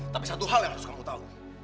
tapi satu hal yang harus kamu tahu